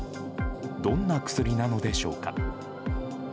どんな薬なのでしょうか。